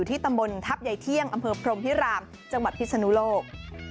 ที่ตำบลทัพยายเที่ยงอำเภอพรมพิรามจังหวัดพิศนุโลก